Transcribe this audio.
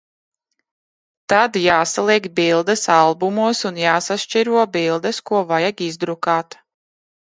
Tad jāsaliek bildes albumos un jāsašķiro bildes, ko vajag izdrukāt.